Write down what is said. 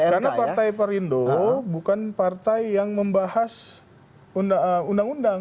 karena partai perindro bukan partai yang membahas undang undang belum membahas undang undang